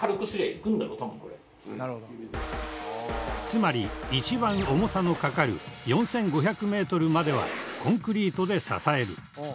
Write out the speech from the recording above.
つまり一番重さのかかる４５００メートルまではコンクリートで支える。